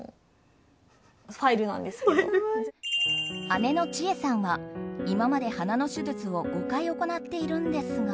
姉のちえさんは今まで鼻の手術を５回行っているんですが。